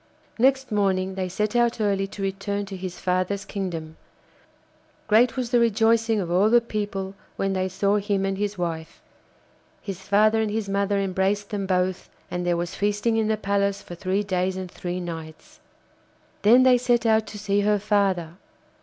Next morning they set out early to return to his father's kingdom. Great was the rejoicing of all the people when they saw him and his wife; his father and his mother embraced them both, and there was feasting in the palace for three days and three nights. Then they set out to see her father.